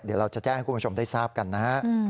เดี๋ยวเราจะแจ้งให้คุณผู้ชมได้ทราบกันนะฮะ